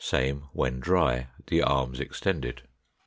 Same when dry, the arms extended.